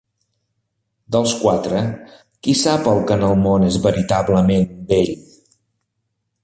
Dels quatre, qui sap el que en el món és veritablement bell?